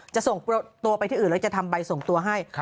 จะส่งตัวไปที่อื่นแล้วจะทำใบส่งตัวให้